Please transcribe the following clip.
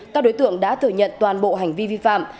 các đối tượng đã thừa nhận toàn bộ hành vi vi phạm